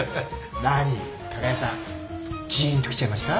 何加賀谷さんじーんときちゃいました？